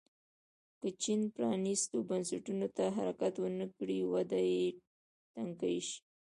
که چین پرانیستو بنسټونو ته حرکت ونه کړي وده یې ټکنۍ شي.